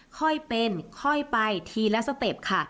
ค่อยเป็นค่อยไปทีละสเต็ปค่ะ